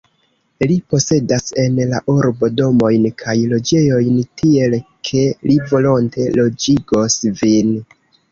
Li posedas en la urbo domojn kaj loĝejojn, tiel ke li volonte loĝigos vin.